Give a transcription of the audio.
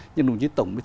nhưng đồng chí tổng